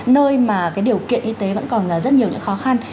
nơi mà điều kiện y tế vẫn còn rất nhiều khó khăn